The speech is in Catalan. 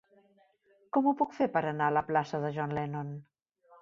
Com ho puc fer per anar a la plaça de John Lennon?